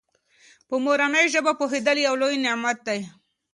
په مورنۍ ژبه پوهېدل یو لوی نعمت دی.